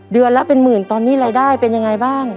เดือนละเป็นหมื่นตอนนี้รายได้เป็นยังไงบ้าง